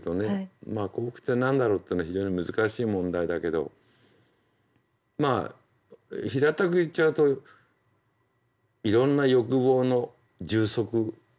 まあ幸福って何だろうっていうのは非常に難しい問題だけどまあ平たく言っちゃうといろんな欲望の充足ですよね。